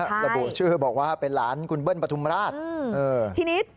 แต่บูรณ์ชื่อบอกว่าเป็นหลานคุณเบิ้ลปฐุมราช